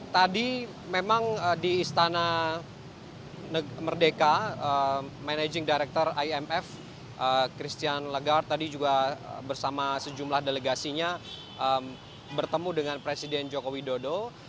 tadi memang di istana merdeka managing director imf christian legar tadi juga bersama sejumlah delegasinya bertemu dengan presiden joko widodo